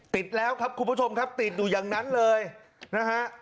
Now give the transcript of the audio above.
ติดแล้วครับคุณผู้ชมครับติดอยู่อย่างนั้นเลยนะฮะ